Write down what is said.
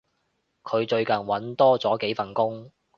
佢最近搵多咗幾份工